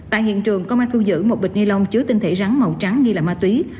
tại hiện trường công an thu giữ một bịch ni lông chứa tinh thể rắn màu trắng nghi là ma túy